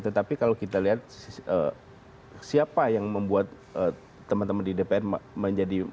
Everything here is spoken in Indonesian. tetapi kalau kita lihat siapa yang membuat teman teman di dpr menjadi